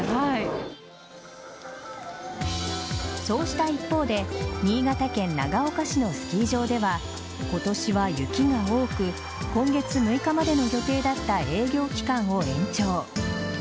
そうした一方で新潟県長岡市のスキー場では今年は雪が多く今月６日までの予定だった営業期間を延長。